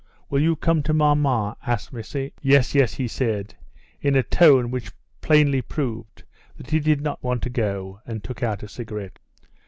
"Will you come to mamma?" asked Missy. "Yes, yes," he said, in a tone which plainly proved that he did not want to go, and took out a cigarette.